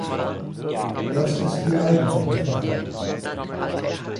Das ist die eigentliche Frage.